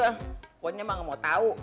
pokoknya emang gak mau tau